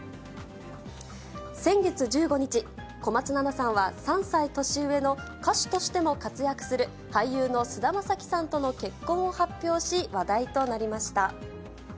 先月１５日、小松菜奈さんは３歳年上の歌手としても活躍する俳優の菅田将暉さんとの結婚を発表し、話題となりました。